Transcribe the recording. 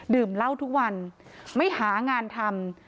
ดื่มเหล้าทุกวันไม่หางานทำ